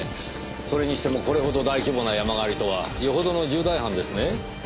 それにしてもこれほど大規模な山狩りとはよほどの重大犯ですね。